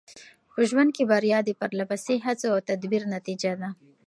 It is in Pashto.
په ژوند کې بریا د پرله پسې هڅو او تدبیر نتیجه ده.